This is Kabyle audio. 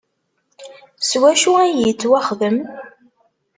S wacu ay yettwaxdem?